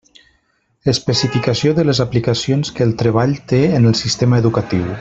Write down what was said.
Especificació de les aplicacions que el treball té en el sistema educatiu.